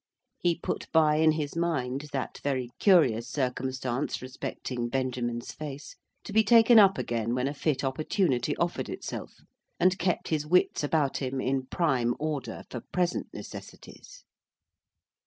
He put by in his mind that very curious circumstance respecting Benjamin's face, to be taken up again when a fit opportunity offered itself; and kept his wits about him in prime order for present necessities.